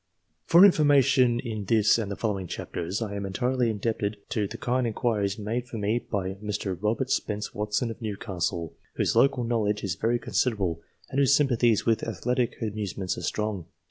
For the information in this and the following chapters, I am entirely indebted to the kind inquiries made for me by Mr. Robert Spence Watson of Newcastle, whose local knowledge is very considerable, and whose sympathies with athletic amusements are strong.